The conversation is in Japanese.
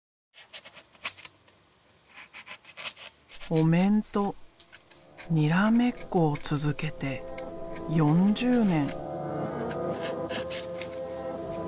お面とにらめっこを続けて４０年。